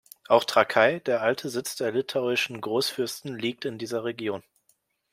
Auch Trakai, der alte Sitz der litauischen Großfürsten, liegt in dieser Region.